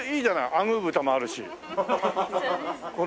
アグー豚もあるし。